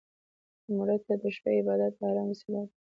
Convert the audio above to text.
مړه ته د شپه عبادت د ارام وسيله ده